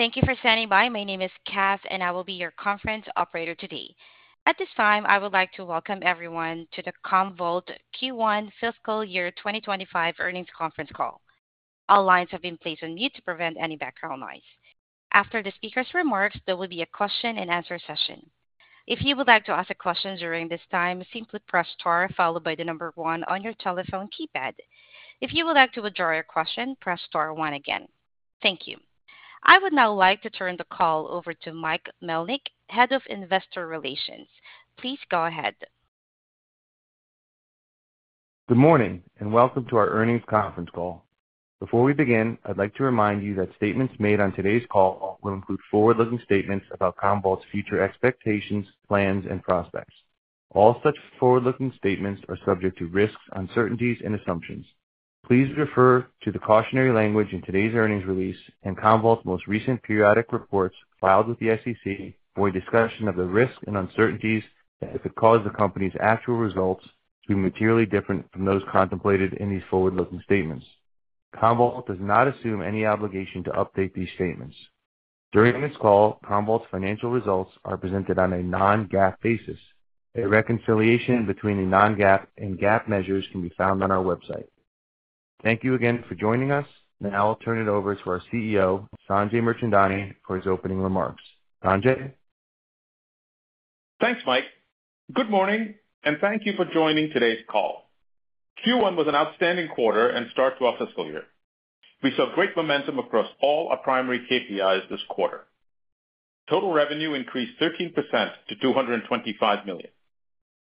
Thank you for standing by. My name is Cass, and I will be your conference operator today. At this time, I would like to welcome everyone to the Commvault Q1 fiscal year 2025 earnings conference call. All lines have been placed on mute to prevent any background noise. After the speaker's remarks, there will be a question-and-answer session. If you would like to ask a question during this time, simply press star followed by the number one on your telephone keypad. If you would like to withdraw your question, press star one again. Thank you. I would now like to turn the call over to Mike Melnyk, Head of Investor Relations. Please go ahead. Good morning, and welcome to our earnings conference call. Before we begin, I'd like to remind you that statements made on today's call will include forward-looking statements about Commvault's future expectations, plans, and prospects. All such forward-looking statements are subject to risks, uncertainties, and assumptions. Please refer to the cautionary language in today's earnings release and Commvault's most recent periodic reports filed with the SEC for a discussion of the risks and uncertainties that could cause the company's actual results to be materially different from those contemplated in these forward-looking statements. Commvault does not assume any obligation to update these statements. During this call, Commvault's financial results are presented on a non-GAAP basis. A reconciliation between the non-GAAP and GAAP measures can be found on our website. Thank you again for joining us. Now I'll turn it over to our CEO, Sanjay Mirchandani, for his opening remarks. Sanjay? Thanks, Mike. Good morning, and thank you for joining today's call. Q1 was an outstanding quarter and start to our fiscal year. We saw great momentum across all our primary KPIs this quarter. Total revenue increased 13% to $225 million.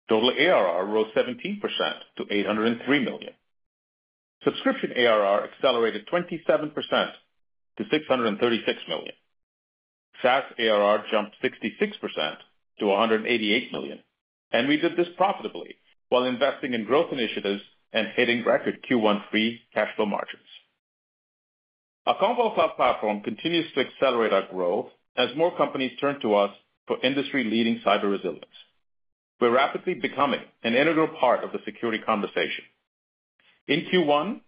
Total ARR rose 17% to $803 million. Subscription ARR accelerated 27% to $636 million. SaaS ARR jumped 66% to $188 million, and we did this profitably while investing in growth initiatives and hitting record Q1 free cash flow margins. Our Commvault Cloud Platform continues to accelerate our growth as more companies turn to us for industry-leading cyber resilience. We're rapidly becoming an integral part of the security conversation. In Q1,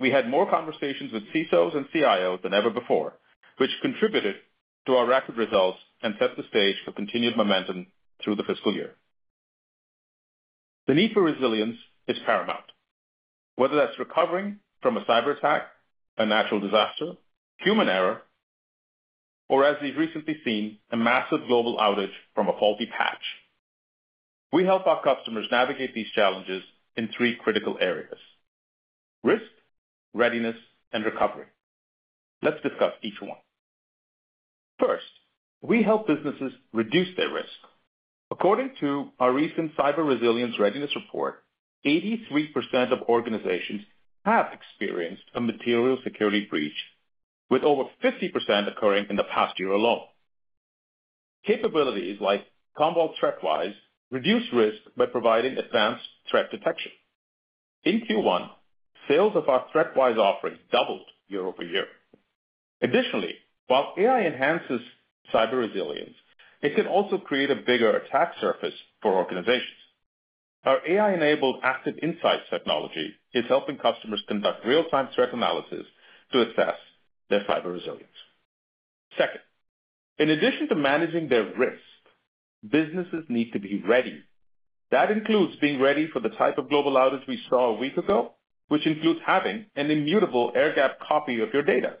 we had more conversations with CISOs and CIOs than ever before, which contributed to our rapid results and set the stage for continued momentum through the fiscal year. The need for resilience is paramount, whether that's recovering from a cyberattack, a natural disaster, human error, or as we've recently seen, a massive global outage from a faulty patch. We help our customers navigate these challenges in three critical areas: risk, readiness, and recovery. Let's discuss each one. First, we help businesses reduce their risk. According to our recent Cyber Resilience Readiness Report, 83% of organizations have experienced a material security breach, with over 50% occurring in the past year alone. Capabilities like Commvault ThreatWise reduce risk by providing advanced threat detection. In Q1, sales of our ThreatWise offering doubled year-over-year. Additionally, while AI enhances cyber resilience, it can also create a bigger attack surface for organizations. Our AI-enabled Active Insights technology is helping customers conduct real-time threat analysis to assess their cyber resilience. Second, in addition to managing their risk, businesses need to be ready. That includes being ready for the type of global outage we saw a week ago, which includes having an immutable air-gapped copy of your data.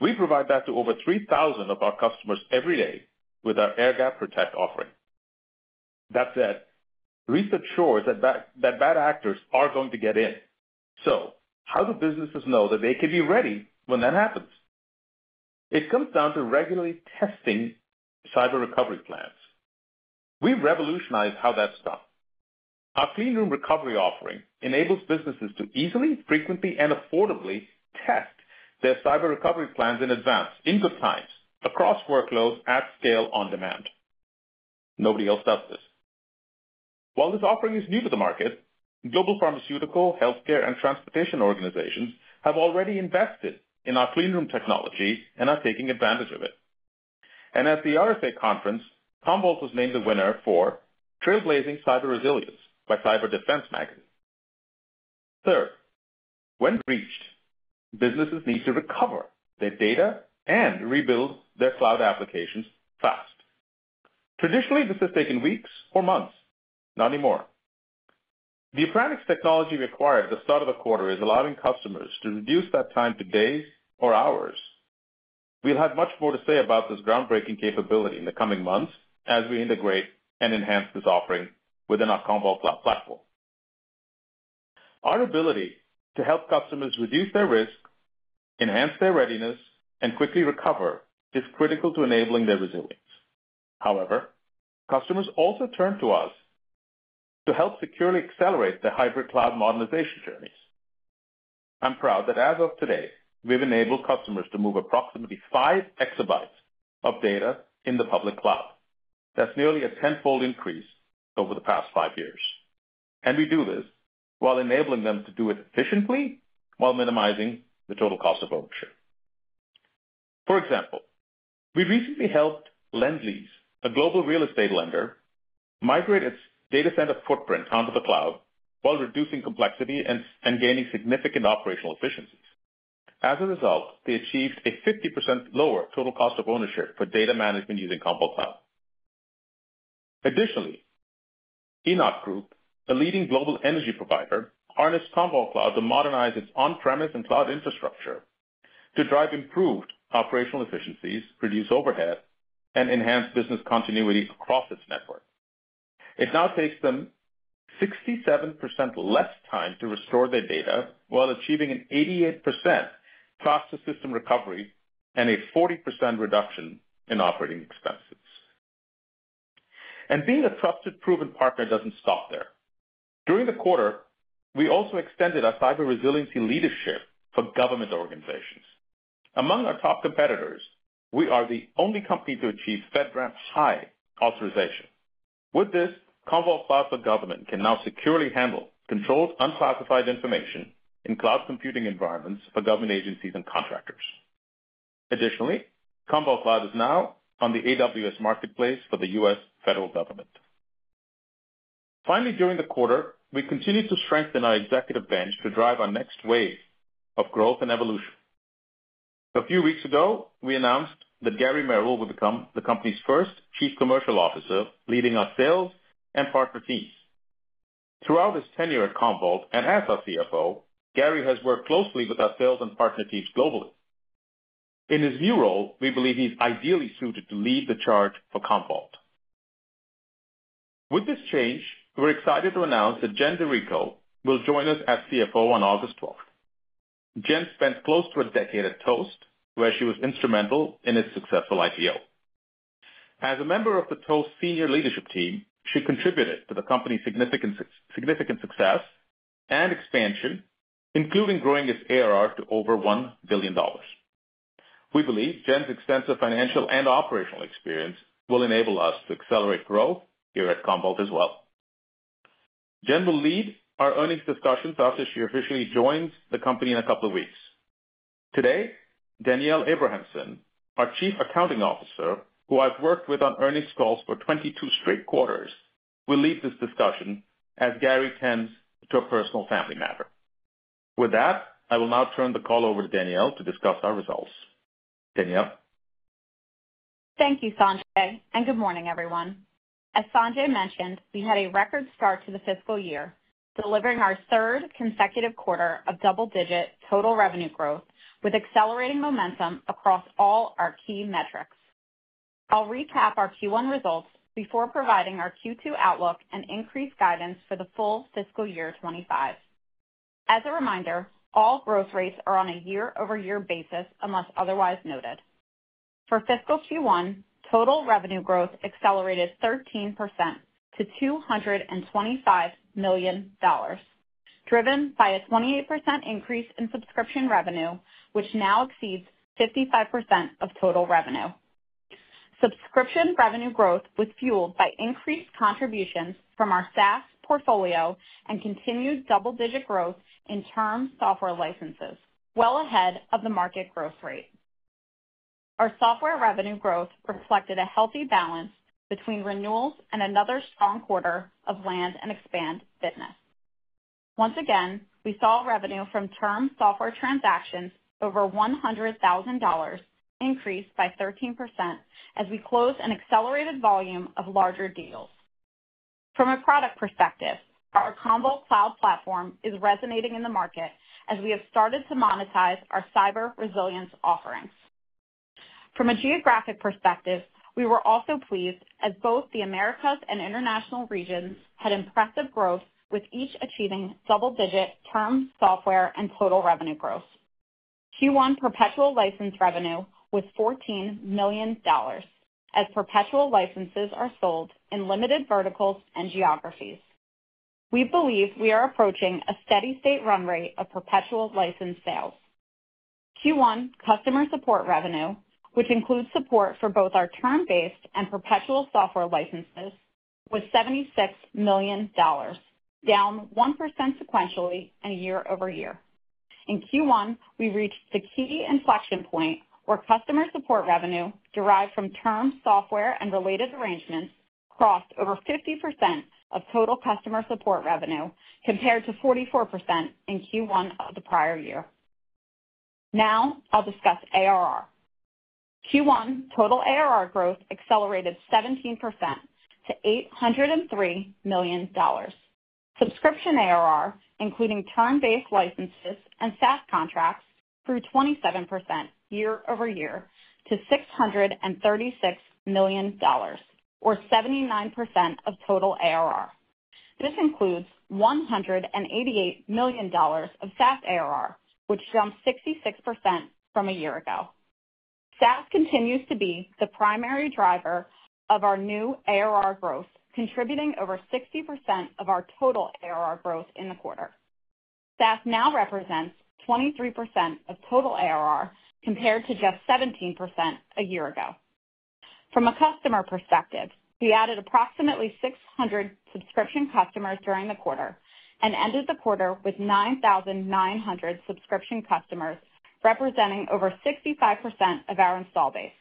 We provide that to over 3,000 of our customers every day with our Air Gap Protect offering. That said, research shows that bad actors are going to get in. So how do businesses know that they can be ready when that happens? It comes down to regularly testing cyber recovery plans. We've revolutionized how that's done. Our Cleanroom Recovery offering enables businesses to easily, frequently, and affordably test their cyber recovery plans in advance, in good times, across workloads, at scale, on demand. Nobody else does this. While this offering is new to the market, global pharmaceutical, healthcare, and transportation organizations have already invested in our Cleanroom technology and are taking advantage of it. And at the RSA Conference, Commvault was named the winner for Trailblazing Cyber Resilience by Cyber Defense Magazine. Third, when breached, businesses need to recover their data and rebuild their cloud applications fast. Traditionally, this has taken weeks or months. Not anymore. The Appranix technology we acquired at the start of the quarter is allowing customers to reduce that time to days or hours. We'll have much more to say about this groundbreaking capability in the coming months as we integrate and enhance this offering within our Commvault Cloud Platform. Our ability to help customers reduce their risk, enhance their readiness, and quickly recover is critical to enabling their resilience. However, customers also turn to us to help securely accelerate their hybrid cloud modernization journeys. I'm proud that as of today, we've enabled customers to move approximately 5 EB of data in the public cloud. That's nearly a tenfold increase over the past five years, and we do this while enabling them to do it efficiently while minimizing the total cost of ownership. For example, we recently helped Lendlease, a global real estate lender, migrate its data center footprint onto the cloud, while reducing complexity and gaining significant operational efficiencies. As a result, they achieved a 50% lower total cost of ownership for data management using Commvault Cloud. Additionally, ENAP Group, a leading global energy provider, harnessed Commvault Cloud to modernize its on-premise and cloud infrastructure to drive improved operational efficiencies, reduce overhead, and enhance business continuity across its network. It now takes them 67% less time to restore their data, while achieving an 88% faster system recovery and a 40% reduction in operating expenses. And being a trusted, proven partner doesn't stop there. During the quarter, we also extended our cyber resiliency leadership for government organizations. Among our top competitors, we are the only company to achieve FedRAMP High authorization. With this, Commvault Cloud for government can now securely handle controlled, unclassified information in cloud computing environments for government agencies and contractors. Additionally, Commvault Cloud is now on the AWS Marketplace for the US Federal Government. Finally, during the quarter, we continued to strengthen our executive bench to drive our next wave of growth and evolution. A few weeks ago, we announced that Gary Merrill will become the company's first Chief Commercial Officer, leading our sales and partner teams. Throughout his tenure at Commvault, and as our CFO, Gary has worked closely with our sales and partner teams globally. In his new role, we believe he's ideally suited to lead the charge for Commvault. With this change, we're excited to announce that Jen DiRico will join us as CFO on August 12. Jen spent close to a decade at Toast, where she was instrumental in its successful IPO. As a member of the Toast senior leadership team, she contributed to the company's significant success and expansion, including growing its ARR to over $1 billion. We believe Jen's extensive financial and operational experience will enable us to accelerate growth here at Commvault as well. Jen will lead our earnings discussions after she officially joins the company in a couple of weeks. Today, Danielle Abrahamsen, our Chief Accounting Officer, who I've worked with on earnings calls for 22 straight quarters, will lead this discussion as Gary tends to a personal family matter. With that, I will now turn the call over to Danielle to discuss our results. Danielle? Thank you, Sanjay, and good morning, everyone. As Sanjay mentioned, we had a record start to the fiscal year, delivering our third consecutive quarter of double-digit total revenue growth, with accelerating momentum across all our key metrics. I'll recap our Q1 results before providing our Q2 outlook and increased guidance for the full fiscal year 2025. As a reminder, all growth rates are on a year-over-year basis, unless otherwise noted. For fiscal Q1, total revenue growth accelerated 13% to $225 million, driven by a 28% increase in subscription revenue, which now exceeds 55% of total revenue. Subscription revenue growth was fueled by increased contributions from our SaaS portfolio and continued double-digit growth in term software licenses, well ahead of the market growth rate. Our software revenue growth reflected a healthy balance between renewals and another strong quarter of land and expand business. Once again, we saw revenue from term software transactions over $100,000 increase by 13%, as we closed an accelerated volume of larger deals. From a product perspective, our Commvault Cloud Platform is resonating in the market as we have started to monetize our cyber resilience offerings. From a geographic perspective, we were also pleased, as both the Americas and International regions had impressive growth, with each achieving double-digit term software and total revenue growth. Q1 perpetual license revenue was $14 million, as perpetual licenses are sold in limited verticals and geographies. We believe we are approaching a steady state run rate of perpetual license sales. Q1 customer support revenue, which includes support for both our term-based and perpetual software licenses, was $76 million, down 1% sequentially and year-over-year. In Q1, we reached the key inflection point, where customer support revenue derived from term software and related arrangements crossed over 50% of total customer support revenue, compared to 44% in Q1 of the prior year. Now I'll discuss ARR. Q1 total ARR growth accelerated 17% to $803 million. Subscription ARR, including term-based licenses and SaaS contracts, grew 27% year-over-year to $636 million or 79% of total ARR. This includes $188 million of SaaS ARR, which jumped 66% from a year ago. SaaS continues to be the primary driver of our new ARR growth, contributing over 60% of our total ARR growth in the quarter. SaaS now represents 23% of total ARR, compared to just 17% a year ago. From a customer perspective, we added approximately 600 subscription customers during the quarter and ended the quarter with 9,900 subscription customers, representing over 65% of our installed base.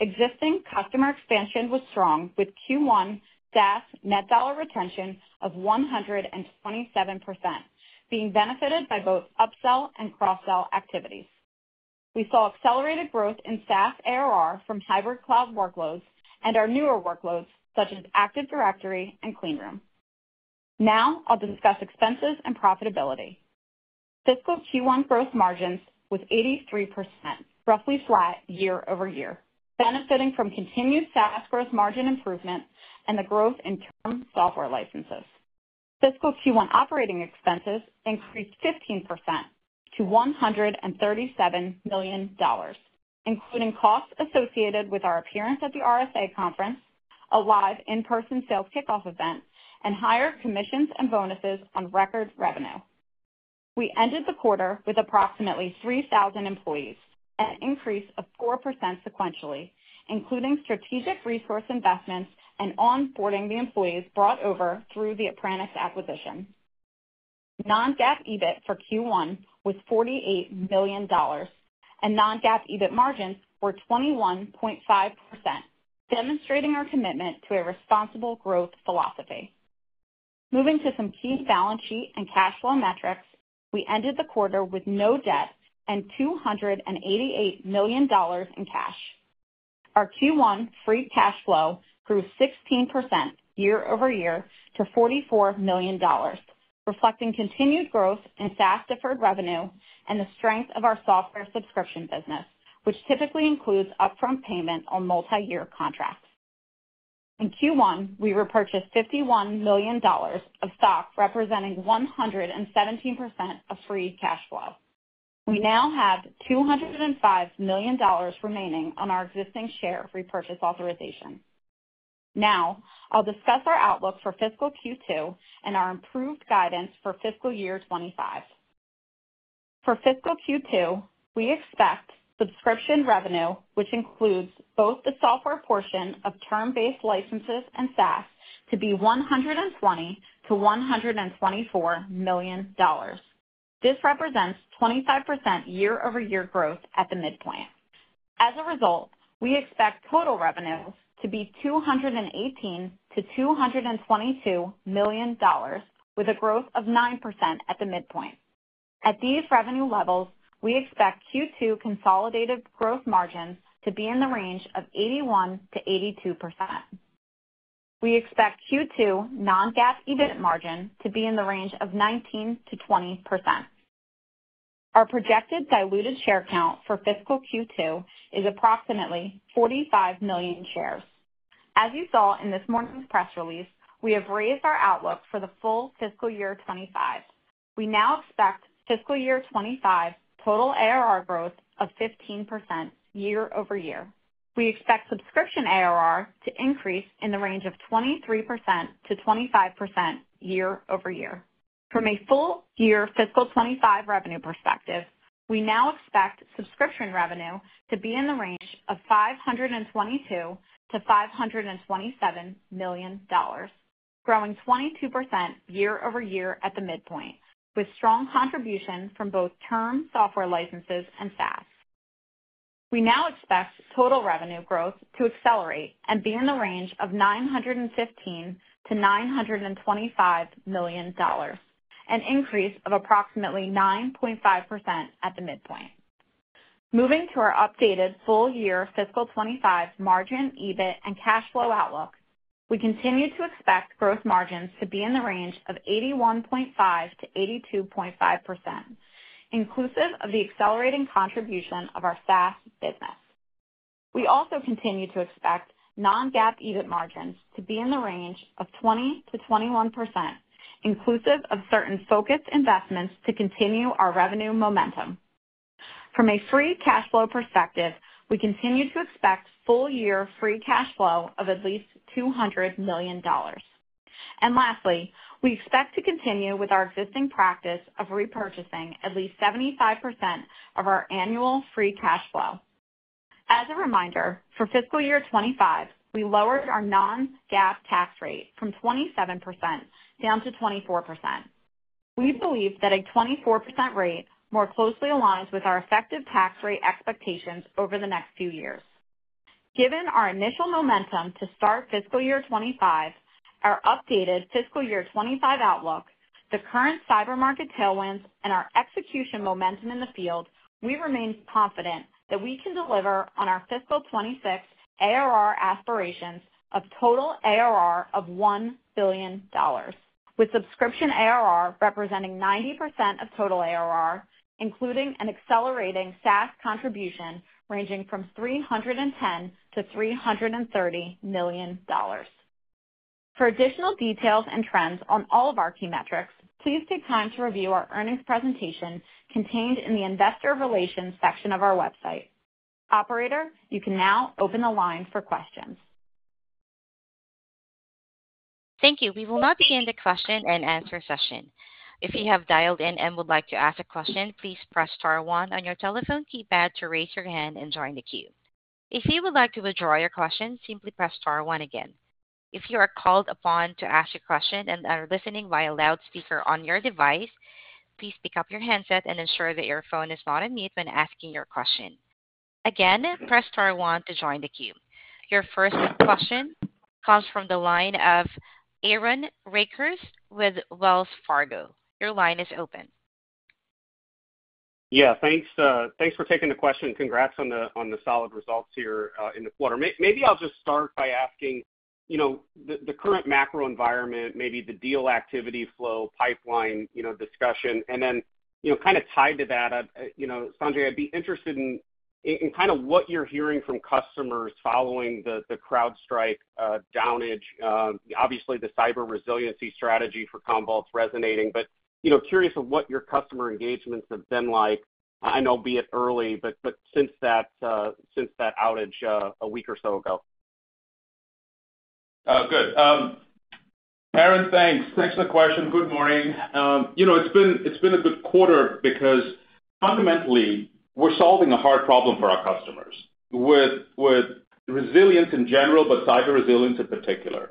Existing customer expansion was strong, with Q1 SaaS net dollar retention of 127%, being benefited by both upsell and cross-sell activities. We saw accelerated growth in SaaS ARR from hybrid cloud workloads and our newer workloads, such as Active Directory and Cleanroom. Now I'll discuss expenses and profitability. Fiscal Q1 gross margins was 83%, roughly flat year-over-year, benefiting from continued SaaS gross margin improvement and the growth in term software licenses. Fiscal Q1 operating expenses increased 15% to $137 million, including costs associated with our appearance at the RSA conference, a live in-person sales kickoff event, and higher commissions and bonuses on record revenue. We ended the quarter with approximately 3,000 employees, an increase of 4% sequentially, including strategic resource investments and onboarding the employees brought over through the Appranix acquisition. Non-GAAP EBIT for Q1 was $48 million, and non-GAAP EBIT margins were 21.5%, demonstrating our commitment to a responsible growth philosophy. Moving to some key balance sheet and cash flow metrics, we ended the quarter with no debt and $288 million in cash. Our Q1 free cash flow grew 16% year-over-year to $44 million, reflecting continued growth in SaaS deferred revenue and the strength of our software subscription business, which typically includes upfront payment on multiyear contracts. In Q1, we repurchased $51 million of stock, representing 117% of free cash flow. We now have $205 million remaining on our existing share repurchase authorization. Now, I'll discuss our outlook for fiscal Q2 and our improved guidance for fiscal year 2025. For fiscal Q2, we expect subscription revenue, which includes both the software portion of term-based licenses and SaaS, to be $120 million-$124 million. This represents 25% year-over-year growth at the midpoint. As a result, we expect total revenues to be $218 million-$222 million, with a growth of 9% at the midpoint. At these revenue levels, we expect Q2 consolidated gross margins to be in the range of 81%-82%. We expect Q2 non-GAAP EBIT margin to be in the range of 19%-20%. Our projected diluted share count for fiscal Q2 is approximately 45 million shares. As you saw in this morning's press release, we have raised our outlook for the full fiscal year 2025. We now expect fiscal year 2025 total ARR growth of 15% year-over-year. We expect subscription ARR to increase in the range of 23%-25% year-over-year. From a full year fiscal 2025 revenue perspective, we now expect subscription revenue to be in the range of $522 million-$527 million, growing 22% year-over-year at the midpoint, with strong contribution from both term software licenses and SaaS. We now expect total revenue growth to accelerate and be in the range of $915 million-$925 million, an increase of approximately 9.5% at the midpoint. Moving to our updated full year fiscal 2025 margin, EBIT and cash flow outlook, we continue to expect gross margins to be in the range of 81.5%-82.5%, inclusive of the accelerating contribution of our SaaS business. We also continue to expect non-GAAP EBIT margins to be in the range of 20%-21%, inclusive of certain focused investments to continue our revenue momentum. From a free cash flow perspective, we continue to expect full year free cash flow of at least $200 million. Lastly, we expect to continue with our existing practice of repurchasing at least 75% of our annual free cash flow. As a reminder, for fiscal year 2025, we lowered our non-GAAP tax rate from 27% down to 24%. We believe that a 24% rate more closely aligns with our effective tax rate expectations over the next few years. Given our initial momentum to start fiscal year 2025, our updated fiscal year 2025 outlook, the current cyber market tailwinds, and our execution momentum in the field, we remain confident that we can deliver on our fiscal 2026 ARR aspirations of total ARR of $1 billion, with subscription ARR representing 90% of total ARR, including an accelerating SaaS contribution ranging from $310 million-$330 million. For additional details and trends on all of our key metrics, please take time to review our earnings presentation contained in the investor relations section of our website. Operator, you can now open the line for questions. Thank you. We will now begin the question and answer session. If you have dialed in and would like to ask a question, please press star one on your telephone keypad to raise your hand and join the queue. If you would like to withdraw your question, simply press star one again.... If you are called upon to ask a question and are listening via loudspeaker on your device, please pick up your handset and ensure that your phone is not on mute when asking your question. Again, press star one to join the queue. Your first question comes from the line of Aaron Rakers with Wells Fargo. Your line is open. Yeah, thanks, thanks for taking the question, and congrats on the, on the solid results here, in the quarter. Maybe I'll just start by asking, you know, the, the current macro environment, maybe the deal activity flow pipeline, you know, discussion, and then, you know, kind of tied to that, you know, Sanjay, I'd be interested in, in, kind of what you're hearing from customers following the, the CrowdStrike, outage, obviously, the cyber resiliency strategy for Commvault's resonating. But, you know, curious of what your customer engagements have been like. I know, be it early, but, but since that, since that outage, a week or so ago. Good. Aaron, thanks. Thanks for the question. Good morning. You know, it's been a good quarter because fundamentally, we're solving a hard problem for our customers, with resilience in general, but cyber resilience in particular.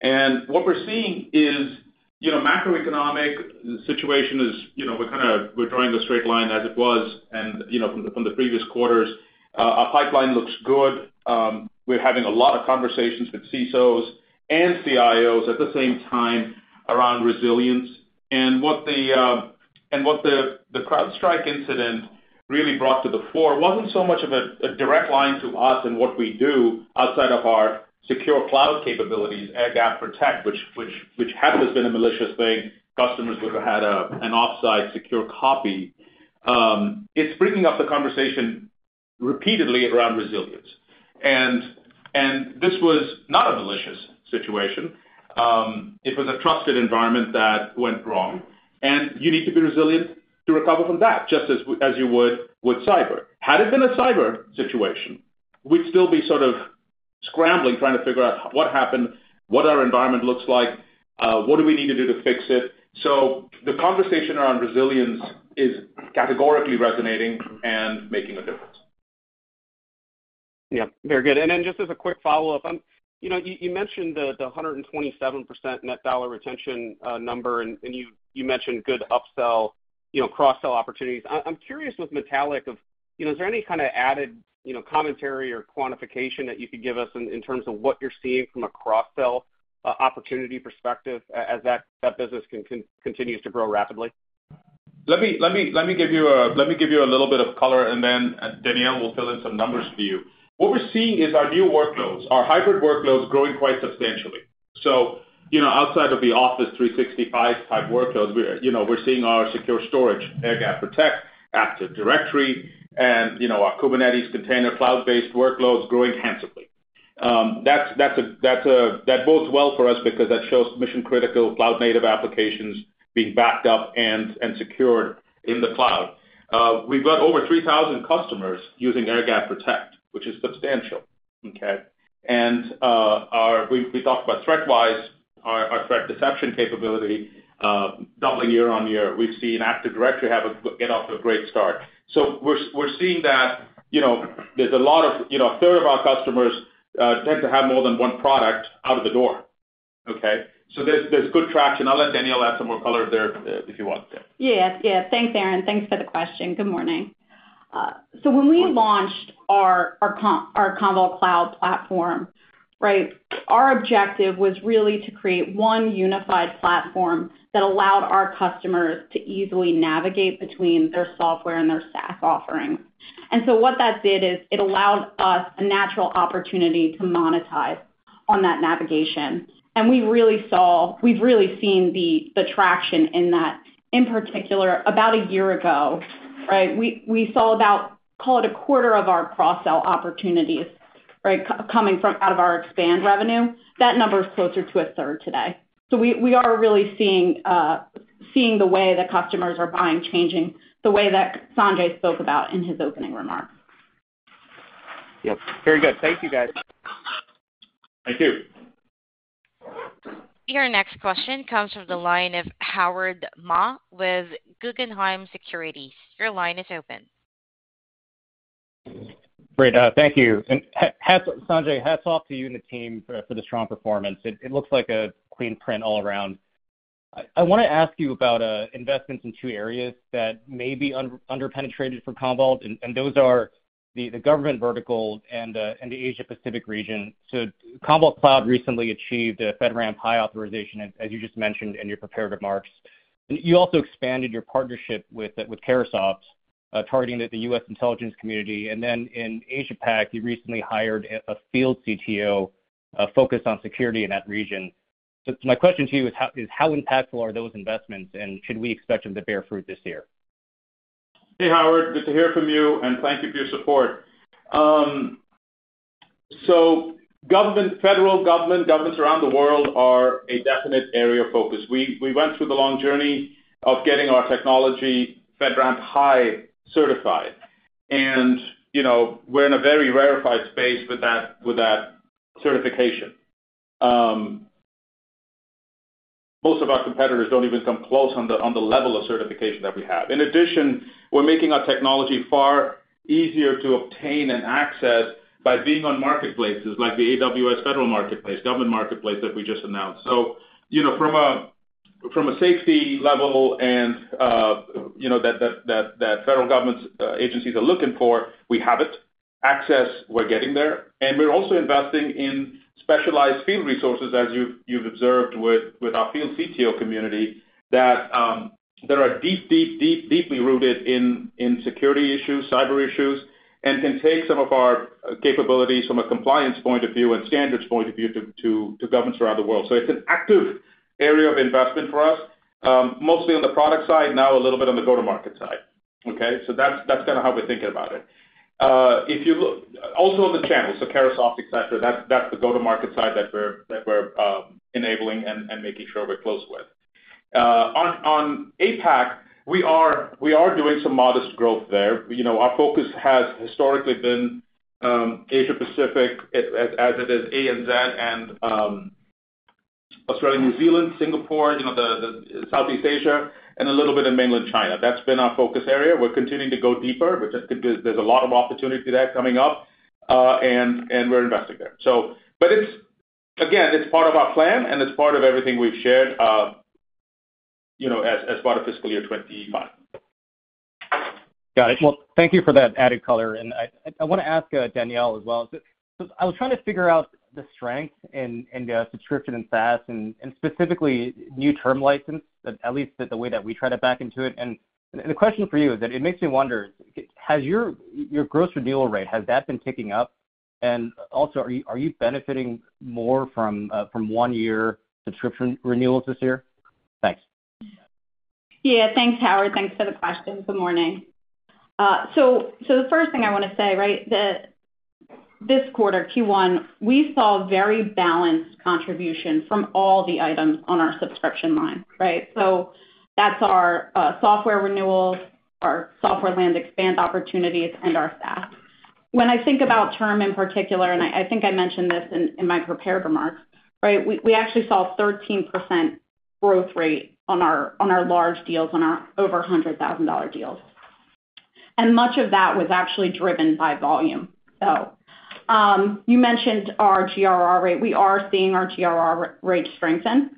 And what we're seeing is, you know, macroeconomic situation is, you know, we're kind of drawing a straight line as it was, and, you know, from the previous quarters. Our pipeline looks good. We're having a lot of conversations with CSOs and CIOs at the same time around resilience. And what the CrowdStrike incident really brought to the fore wasn't so much of a direct line to us and what we do outside of our secure cloud capabilities, Air Gap Protect, which hadn't been a malicious thing. Customers would've had an off-site secure copy. It's bringing up the conversation repeatedly around resilience. And this was not a malicious situation. It was a trusted environment that went wrong, and you need to be resilient to recover from that, just as you would with cyber. Had it been a cyber situation, we'd still be sort of scrambling, trying to figure out what happened, what our environment looks like, what do we need to do to fix it? So the conversation around resilience is categorically resonating and making a difference. Yeah, very good. And then just as a quick follow-up, you know, you mentioned the 127% net dollar retention number, and you mentioned good upsell, you know, cross-sell opportunities. I'm curious with Metallic of, you know, is there any kind of added, you know, commentary or quantification that you could give us in terms of what you're seeing from a cross-sell opportunity perspective as that business continues to grow rapidly? Let me give you a little bit of color, and then Danielle will fill in some numbers for you. What we're seeing is our new workloads, our hybrid workloads, growing quite substantially. So you know, outside of the Office 365 type workloads, you know, we're seeing our secure storage, Air Gap Protect, Active Directory, and, you know, our Kubernetes container, cloud-based workloads growing handsomely. That bodes well for us because that shows mission-critical, cloud-native applications being backed up and secured in the cloud. We've got over 3,000 customers using Air Gap Protect, which is substantial, okay? We talked about ThreatWise, our threat deception capability, doubling year-on-year. We've seen Active Directory get off to a great start. So we're seeing that, you know, there's a lot of, you know, a third of our customers tend to have more than one product out of the door, okay? So there's good traction. I'll let Danielle add some more color there, if you want. Yeah. Yeah. Thanks, Aaron. Thanks for the question. Good morning. So when we launched our Commvault Cloud Platform, right? Our objective was really to create one unified platform that allowed our customers to easily navigate between their software and their stack offerings. And so what that did is it allowed us a natural opportunity to monetize on that navigation. And we really saw... We've really seen the traction in that. In particular, about a year ago, right? We saw about, call it a quarter of our cross-sell opportunities, right, coming from out of our expand revenue. That number is closer to a third today. So we are really seeing the way that customers are buying changing, the way that Sanjay spoke about in his opening remarks. Yep, very good. Thank you, guys. Thank you. Your next question comes from the line of Howard Ma with Guggenheim Securities. Your line is open. Great. Thank you. And hats, Sanjay, hats off to you and the team for the strong performance. It looks like a clean print all around. I wanna ask you about investments in two areas that may be under-penetrated for Commvault, and those are the government vertical and the Asia-Pacific region. So Commvault Cloud recently achieved a FedRAMP High authorization, as you just mentioned in your prepared remarks. You also expanded your partnership with Carahsoft, targeting at the US intelligence community. And then in Asia-Pac, you recently hired a field CTO focused on security in that region. So my question to you is how impactful are those investments, and should we expect them to bear fruit this year? Hey, Howard, good to hear from you, and thank you for your support. So government, federal government, governments around the world are a definite area of focus. We went through the long journey of getting our technology FedRAMP High certified, and you know, we're in a very rarefied space with that certification. Most of our competitors don't even come close on the level of certification that we have. In addition, we're making our technology far easier to obtain and access by being on marketplaces, like the AWS Federal Marketplace, government marketplace that we just announced. So, you know, from a safety level and, you know, that federal government agencies are looking for, we have it. Access, we're getting there. And we're also investing in specialized field resources, as you've observed with our field CTO community, that there are deeply rooted in security issues, cyber issues, and can take some of our capabilities from a compliance point of view and standards point of view to governments around the world. So it's an active area of investment for us, mostly on the product side, now a little bit on the go-to-market side. Okay? So that's kind of how we're thinking about it. If you look also on the channels, so Carahsoft, et cetera, that's the go-to-market side that we're enabling and making sure we're close with. On APAC, we are doing some modest growth there. You know, our focus has historically been Asia-Pacific, as it is ANZ and Australia, New Zealand, Singapore, you know, the Southeast Asia, and a little bit in Mainland China. That's been our focus area. We're continuing to go deeper, but just because there's a lot of opportunity there coming up, and we're investing there. So, but it's again, it's part of our plan, and it's part of everything we've shared, you know, as part of fiscal year 2025. Got it. Well, thank you for that added color. And I, I wanna ask, Danielle as well. So I was trying to figure out the strength in, in, subscription and SaaS, and, and specifically new term license, at least the way that we try to back into it. And the question for you is that it makes me wonder: Has your, your gross renewal rate, has that been ticking up? And also, are you, are you benefiting more from, from one-year subscription renewals this year? Thanks. Yeah. Thanks, Howard. Thanks for the question. Good morning. So, the first thing I wanna say, right, that this quarter, Q1, we saw very balanced contribution from all the items on our subscription line, right? So that's our software renewals, our software land expand opportunities, and our SaaS. When I think about term in particular, and I think I mentioned this in my prepared remarks, right, we actually saw 13% growth rate on our large deals, on our over $100,000 deals. And much of that was actually driven by volume. So, you mentioned our GRR rate. We are seeing our GRR rate strengthen,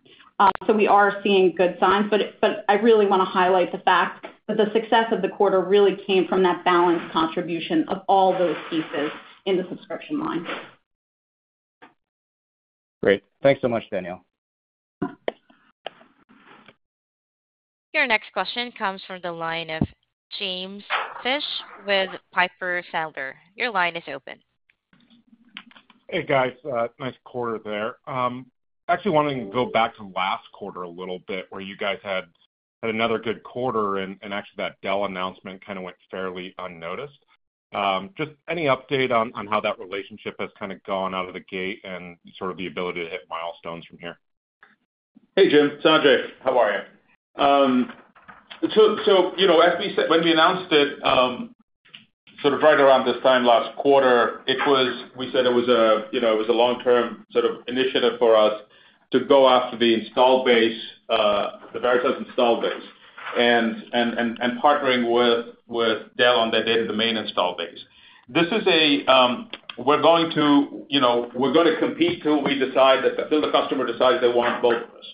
so we are seeing good signs, but I really wanna highlight the fact that the success of the quarter really came from that balanced contribution of all those pieces in the subscription line. Great. Thanks so much, Danielle. Your next question comes from the line of James Fish with Piper Sandler. Your line is open. Hey, guys, nice quarter there. Actually wanting to go back to last quarter a little bit, where you guys had another good quarter, and actually that Dell announcement kind of went fairly unnoticed. Just any update on how that relationship has kind of gone out of the gate and sort of the ability to hit milestones from here? Hey, Jim, it's Sanjay. How are you? So, so, you know, as we said, when we announced it, sort of right around this time last quarter, it was, we said it was a, you know, it was a long-term sort of initiative for us to go after the install base, the Veritas install base, and, and, and, and partnering with, with Dell on their Data Domain install base. This is a, we're going to, you know, we're gonna compete till we decide that. Till the customer decides they want both of us.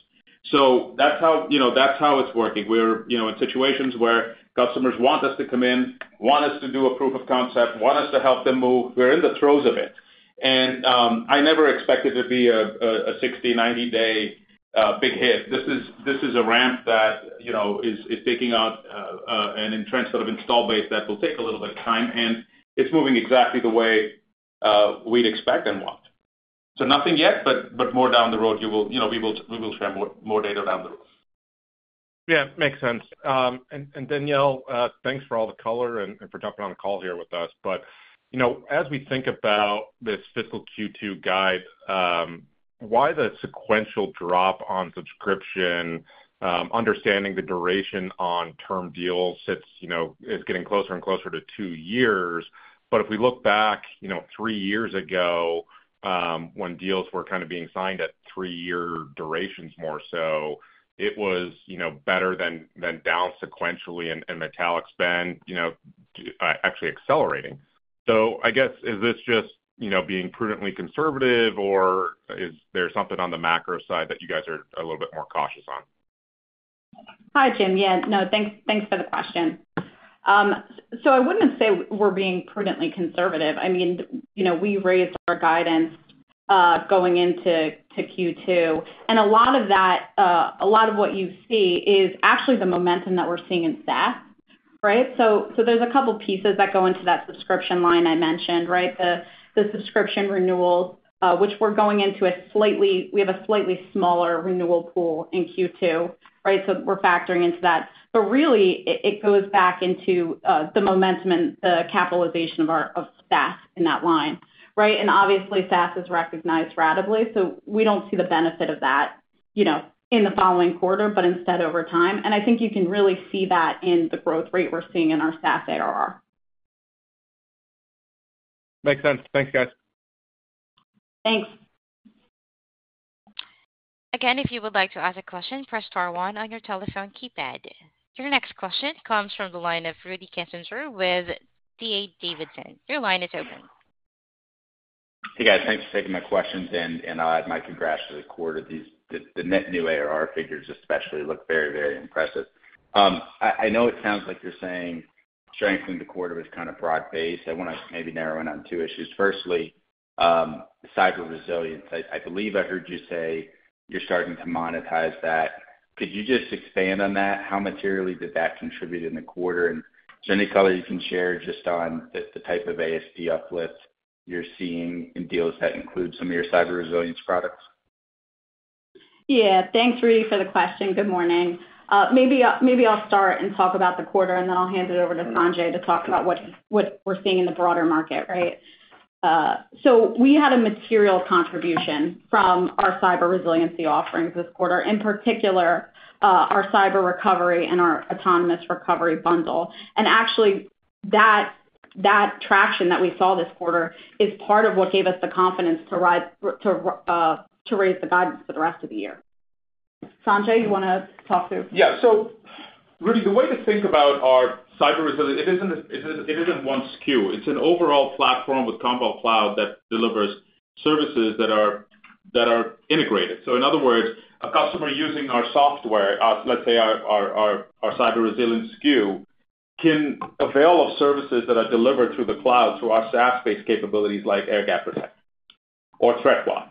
So that's how, you know, that's how it's working. We're, you know, in situations where customers want us to come in, want us to do a proof of concept, want us to help them move. We're in the throes of it, and I never expected it to be a 60-90-day big hit. This is a ramp that, you know, is taking out an entrenched sort of install base that will take a little bit of time, and it's moving exactly the way we'd expect and want. So nothing yet, but more down the road, you know, we will, we will share more, more data down the road. Yeah, makes sense. And Danielle, thanks for all the color and for jumping on the call here with us. But, you know, as we think about this fiscal Q2 guide, why the sequential drop on subscription? Understanding the duration on term deals, it's, you know, is getting closer and closer to two years. But if we look back, you know, three years ago, when deals were kind of being signed at three-year durations more so, it was, you know, better than down sequentially and Metallic spend, you know, actually accelerating. So I guess, is this just, you know, being prudently conservative, or is there something on the macro side that you guys are a little bit more cautious on? Hi, Jim. Yeah, no, thanks, thanks for the question. So I wouldn't say we're being prudently conservative. I mean, you know, we raised our guidance going into Q2, and a lot of that, a lot of what you see is actually the momentum that we're seeing in SaaS, right? So there's a couple pieces that go into that subscription line I mentioned, right? The subscription renewals, which we're going into a slightly smaller renewal pool in Q2, right? So we're factoring into that. But really, it goes back into the momentum and the capitalization of our SaaS in that line, right? And obviously, SaaS is recognized ratably, so we don't see the benefit of that, you know, in the following quarter, but instead over time. I think you can really see that in the growth rate we're seeing in our SaaS ARR. Makes sense. Thanks, guys. Thanks. Again, if you would like to ask a question, press star one on your telephone keypad. Your next question comes from the line of Rudy Kessinger with D.A. Davidson. Your line is open. Hey, guys. Thanks for taking my questions, and I'll add my congrats to the quarter. The net new ARR figures especially look very, very impressive. I know it sounds like you're saying strength in the quarter was kind of broad-based. I wanna maybe narrow in on two issues. Firstly, cyber resilience. I believe I heard you say you're starting to monetize that. Could you just expand on that? How materially did that contribute in the quarter? And is there any color you can share just on the type of ASP uplift you're seeing in deals that include some of your cyber resilience products? Yeah. Thanks, Rudy, for the question. Good morning. Maybe I'll start and talk about the quarter, and then I'll hand it over to Sanjay to talk about what we're seeing in the broader market, right? So we had a material contribution from our cyber resiliency offerings this quarter, in particular, our cyber recovery and our autonomous recovery bundle. And actually, that traction that we saw this quarter is part of what gave us the confidence to raise the guidance for the rest of the year. Sanjay, you wanna talk through? Yeah. So Rudy, the way to think about our cyber resilience, it isn't one SKU. It's an overall platform with Commvault Cloud that delivers services that are integrated. So in other words, a customer using our software, let's say our cyber resilience SKU, can avail of services that are delivered through the cloud, through our SaaS-based capabilities like Air Gap Protect or ThreatWise.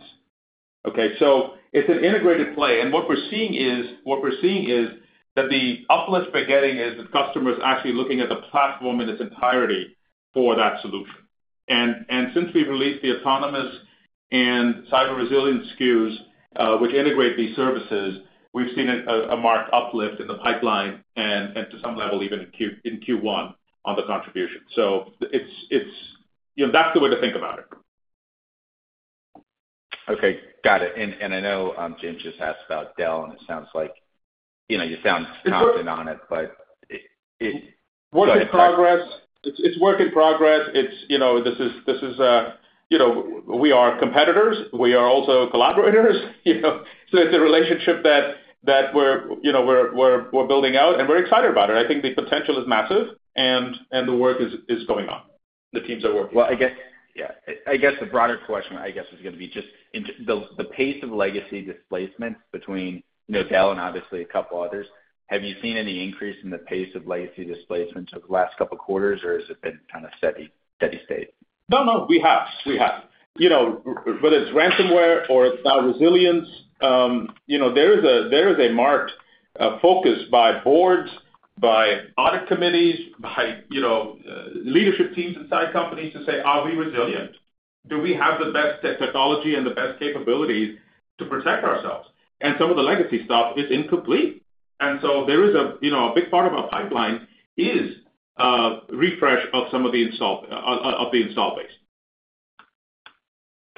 Okay, so it's an integrated play, and what we're seeing is that the uplift we're getting is the customers actually looking at the platform in its entirety for that solution. And since we've released the autonomous and cyber resilience SKUs, which integrate these services, we've seen a marked uplift in the pipeline and, to some level, even in Q1 on the contribution. So it's, you know, that's the way to think about it. Okay, got it. And I know, Jim just asked about Dell, and it sounds like, you know, you sound confident on it, but it- Work in progress. It's work in progress. It's, you know, this is, you know, we are competitors. We are also collaborators, you know. So it's a relationship that we're, you know, we're building out, and we're excited about it. I think the potential is massive, and the work is going on. The teams are working. Well, I guess, yeah. I guess the broader question, I guess, is gonna be just in the pace of legacy displacement between, you know, Dell and obviously a couple others. Have you seen any increase in the pace of legacy displacement over the last couple of quarters, or has it been kind of steady, steady state? No, no, we have, we have. You know, whether it's ransomware or it's cloud resilience, you know, there is a marked focus by boards, by audit committees, by, you know, leadership teams inside companies to say: Are we resilient? Do we have the best technology and the best capabilities to protect ourselves? And some of the legacy stuff is incomplete. And so there is a, you know, a big part of our pipeline is refresh of some of the installed base. Got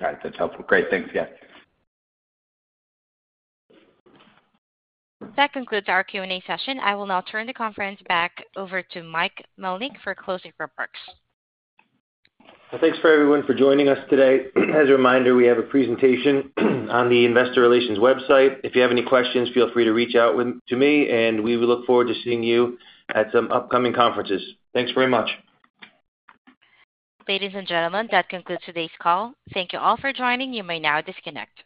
it. That's helpful. Great. Thanks, yeah. That concludes our Q&A session. I will now turn the conference back over to Mike Melnyk for closing remarks. Well, thanks for everyone for joining us today. As a reminder, we have a presentation on the investor relations website. If you have any questions, feel free to reach out to me, and we will look forward to seeing you at some upcoming conferences. Thanks very much. Ladies and gentlemen, that concludes today's call. Thank you all for joining. You may now disconnect.